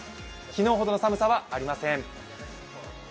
昨日ほどの寒さはありません。